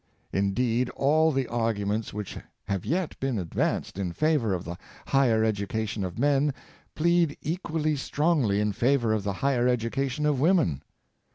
Indeed, all the arguments which have yet been advanced in favor of the higher <j education of men plead equally strongly in favor of the higher education of women.